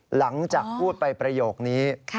หลังจากพูดไปประโยคนี้